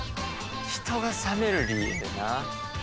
人が冷める理由な。